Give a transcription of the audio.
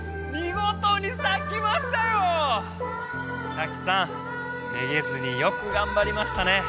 サキさんめげずによくがんばりましたね。